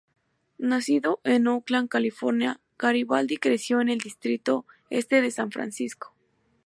Nacido en Oakland, California, Garibaldi creció en el distrito este de San Francisco.